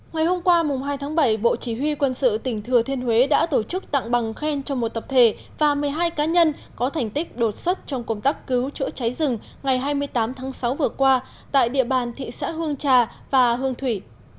ngày hôm qua hai tháng bảy bộ chỉ huy quân sự tỉnh thừa thiên huế đã tổ chức tặng bằng khen cho một tập thể và một mươi hai cá nhân có thành tích đột xuất trong công tác cứu chữa cháy rừng ngày hai mươi tám tháng sáu vừa qua tại địa bàn thị xã hương trà và hương thủy